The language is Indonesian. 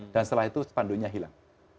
dan setelah itu sepanduknya hilang